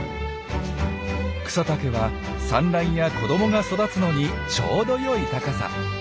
草丈は産卵や子どもが育つのにちょうどよい高さ。